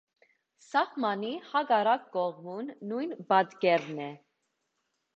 Սահմանի հակառակ կողմում նույն պատկերն է։